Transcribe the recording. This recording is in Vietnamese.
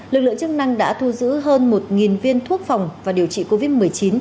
lực lượng chức năng đã thu giữ hơn một viên thuốc phòng và điều trị covid một mươi chín